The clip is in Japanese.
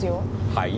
はい？